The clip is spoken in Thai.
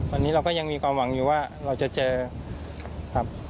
วันนี้เราก็ยังมีความหวังอยู่ว่าเราจะเจอครับ